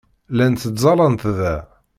Llant ttẓallant da.